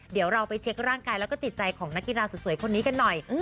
เดี๋ยวเราไปเช็คร่างกายแล้วก็จิตใจของนักกีฬาสุดสวยคนนี้กันหน่อย